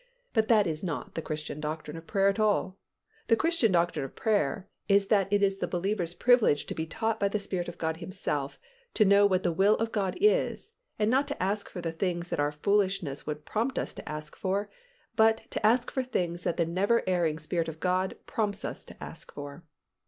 But that is not the Christian doctrine of prayer at all; the Christian doctrine of prayer is that it is the believer's privilege to be taught by the Spirit of God Himself to know what the will of God is and not to ask for the things that our foolishness would prompt us to ask for but to ask for things that the never erring Spirit of God prompts us to ask for.